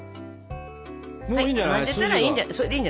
もういいんじゃない？